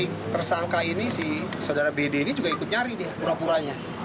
si tersangka ini si saudara bd ini juga ikut nyari nih pura puranya